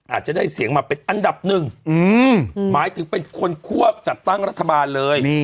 อาจจะได้เสียงมาเป็นอันดับหนึ่งหมายถึงเป็นคนควบจัดตั้งรัฐบาลเลย